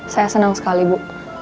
saya senang sekali bu